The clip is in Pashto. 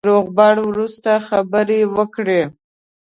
د روغبړ وروسته خبرې وکړې.